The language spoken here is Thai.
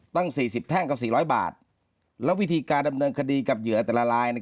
ตั้ง๔๐แท่งกับ๔๐๐บาทแล้ววิธีการดำเนินคดีกับเหยื่อแต่ละลาย